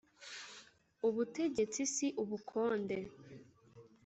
Ubutegetsi si ubukonde.